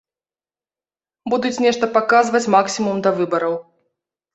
Будуць нешта паказваць максімум да выбараў.